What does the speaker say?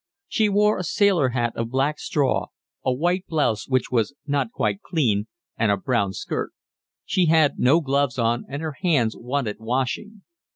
She wore a sailor hat of black straw, a white blouse which was not quite clean, and a brown skirt. She had no gloves on, and her hands wanted washing.